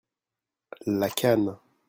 La cane.